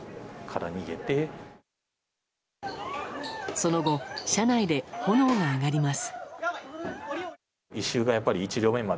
その後、車内で炎が上がります。